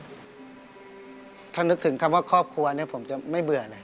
ถ้านึกถึงคำว่าครอบครัวเนี่ยผมจะไม่เบื่อเลย